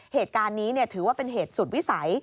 เหตุการณ์นี้ถือว่าเป็นเหตุสุดวิสัย